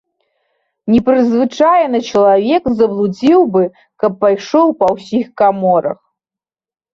Непрызвычаены чалавек заблудзіў бы, каб пайшоў па ўсіх каморах.